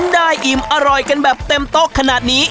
ได้อิ่มอร่อยกันแบบเต็มโต๊ะขนาดนี้